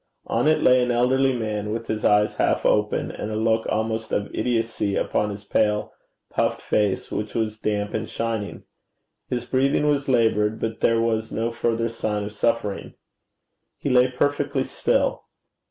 On it lay an elderly man, with his eyes half open, and a look almost of idiocy upon his pale, puffed face, which was damp and shining. His breathing was laboured, but there was no further sign of suffering. He lay perfectly still.